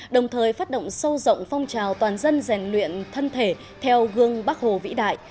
đồng thời phát động sâu rộng phong trào toàn dân rèn luyện thân thể theo gương bắc hồ vĩ đại